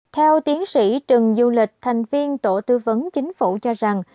theo tiến sĩ trần du lịch thành viên tổ tư vấn chính phủ cho rằng